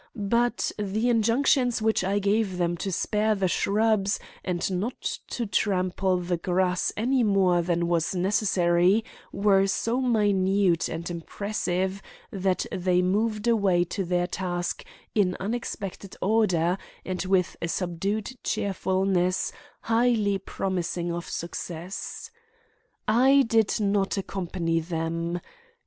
But the injunctions which I gave them to spare the shrubs and not to trample the grass any more than was necessary were so minute and impressive that they moved away to their task in unexpected order and with a subdued cheerfulness highly promising of success. I did not accompany them.